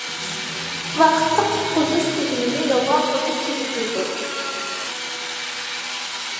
ۋاقىتلىق قۇتقۇزۇش تۈزۈمىنى يولغا قويۇش تېزلىتىلىدۇ.